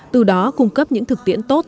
từ đó cung cấp những thực tiễn tốt